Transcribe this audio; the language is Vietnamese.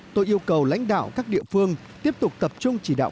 tôi yêu cầu lãnh đạo các địa phương tiếp tục tập trung chỉ đạo